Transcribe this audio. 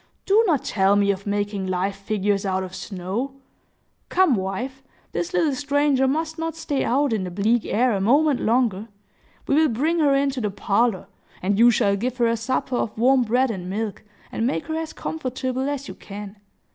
"Do not tell me of making live figures out of snow. Come, wife; this little stranger must not stay out in the bleak air a moment longer. We will bring her into the parlor; and you shall give her a supper of warm bread and milk, and make her as comfortable as you can.